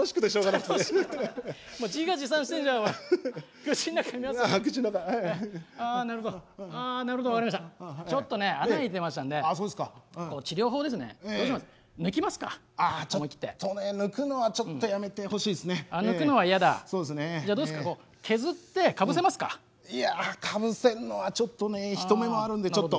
「いやかぶせんのはちょっとね人目もあるんでちょっと」。